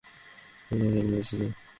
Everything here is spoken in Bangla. একা চলে যাচ্ছে যে?